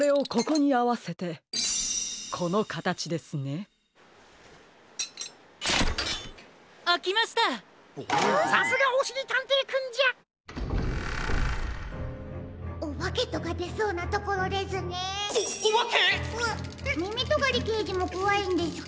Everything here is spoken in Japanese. みみとがりけいじもこわいんですか？